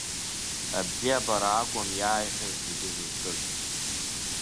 Абзиеибабара акәын иааиҳәоз зегь зызкыз.